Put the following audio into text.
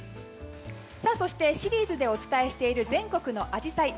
そして、シリーズでお伝えしている全国のアジサイ。